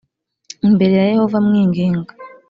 imbere ya Yehova mwinginga